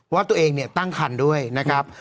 ว่าตัวเองเนี่ยตั้งคันด้วยนะครับ